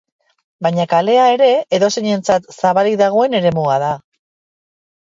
Baina kalea ere edozeinentzat zabalik dagoen eremua da.